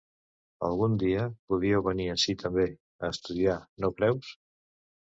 Algun dia podíeu venir ací també, a estudiar, no creus?